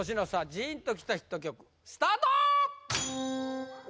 ジーンときたヒット曲スタート